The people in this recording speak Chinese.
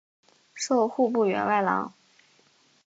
授户部员外郎。